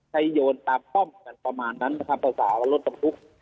ใครโยนตามป้อมกันประมาณนั้นคำประสาวรถกำลุก